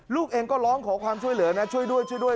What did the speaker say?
ลูกเองก็ร้องขอความช่วยเหลือนะช่วยด้วยช่วยด้วย